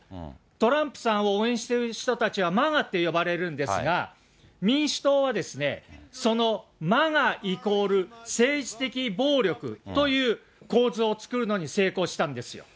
トランプさんを応援している方たちはマガって呼ばれるんですが、民主党はそのマガ、イコール政治的暴力という構図を作るのに成功したんですよ。